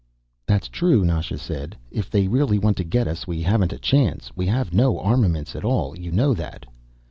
"That's true," Nasha said. "If they really want to get us we haven't a chance. We have no armaments at all; you know that."